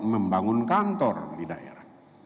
membangun kantor di daerah